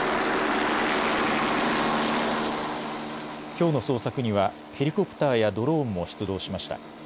きょうの捜索にはヘリコプターやドローンも出動しました。